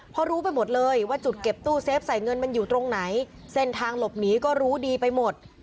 เพราะรู้ไปหมดเลยว่าจุดเก็บตู้เซฟใส่เงินมันอยู่ตรงไหนเส้นทางหลบหนีก็รู้ดีไปหมด